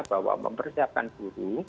bahwa mempersiapkan guru